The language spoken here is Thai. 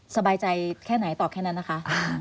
สบายใจแค่ไหนตอบแค่นั้นนะคะ